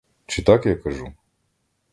Чи так я кажу?